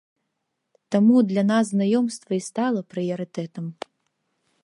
Таму для нас знаёмства і стала прыярытэтам.